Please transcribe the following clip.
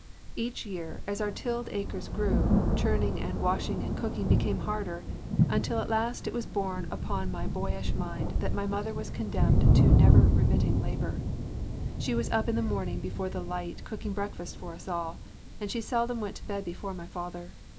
Each year, as our tilled acres grew, churning and washing and cooking became harder, until at last it was borne in upon my boyish mind that my mother was condemned to never remitting labor. She was up in the morning before the light cooking breakfast for us all, and she seldom went to bed before my father.